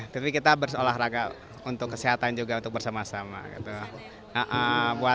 tapi kita berolahraga untuk kesehatan juga untuk bersama sama gitu